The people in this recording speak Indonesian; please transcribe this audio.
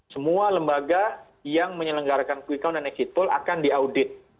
semua lembaga yang menyelenggarakan quick count dan exit pool akan diaudit